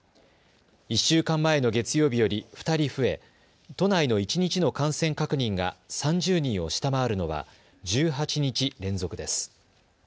１週間前の月曜日より２人増え、都内の一日の感染確認が３０人を下回るのは１８日連続です。